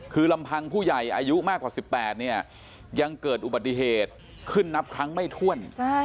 คือลำพังผู้ใหญ่อายุมากกว่า๑๘เนี่ยยังเกิดอุบัติเหตุขึ้นนับครั้งไม่ถ้วน